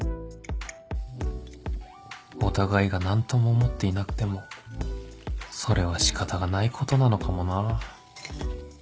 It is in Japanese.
お互いが何とも思っていなくてもそれは仕方がないことなのかもなぁ